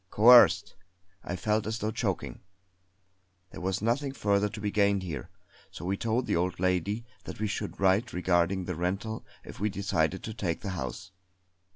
Coerced! I felt as though choking! There was nothing further to be gained here; so we told the old lady that we should write regarding the rental if we decided to take the house.